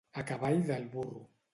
A cavall del burro.